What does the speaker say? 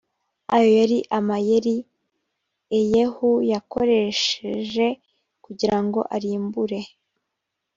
ayo yari amayeri e yehu yakoresheje kugira ngo arimbure